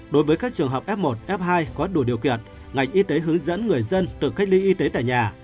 đối với các trường hợp f một f hai có đủ điều kiện ngành y tế hướng dẫn người dân tự cách ly y tế tại nhà